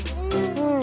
うん。